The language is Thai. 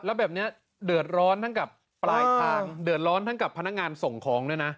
แล้วแบบนี้เดือดร้อนทั้งกับปลายทางเดือดร้อนทั้งกับพนักงานส่งของด้วยนะ